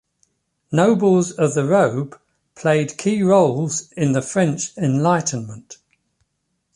Nobles of the Robe played key roles in the French Enlightenment.